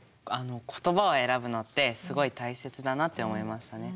言葉を選ぶのってすごい大切だなって思いましたね。